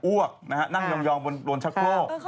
อ้วกนั่งยอมในโชคโครก